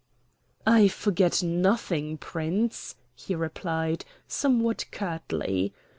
"I forget nothing, Prince," he replied, somewhat curtly.